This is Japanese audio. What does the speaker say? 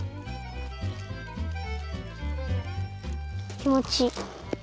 きもちいい。